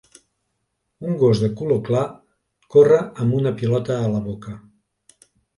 Un gos de color clar corre amb una pilota a la boca